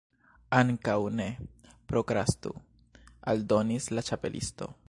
"Ankaŭ ne prokrastu," aldonis la Ĉapelisto